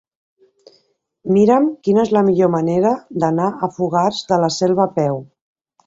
Mira'm quina és la millor manera d'anar a Fogars de la Selva a peu.